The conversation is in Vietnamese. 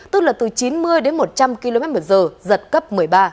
tức là từ chín mươi đến một trăm linh kmh giật cấp một mươi ba